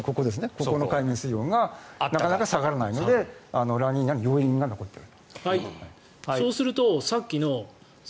ここの海面水温がなかなか下がらないのでラニーニャの余韻が残っている。